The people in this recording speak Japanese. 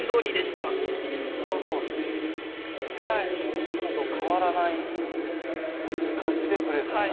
いつもと変わらない感じでプレーされた？